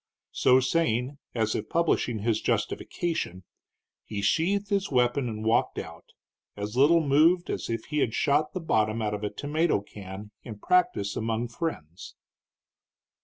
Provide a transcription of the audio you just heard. So saying, as if publishing his justification, he sheathed his weapon and walked out, as little moved as if he had shot the bottom out of a tomato can in practice among friends.